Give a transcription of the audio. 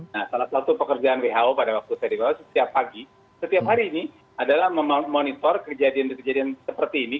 nah salah satu pekerjaan who pada waktu saya dibawa setiap pagi setiap hari ini adalah memonitor kejadian kejadian seperti ini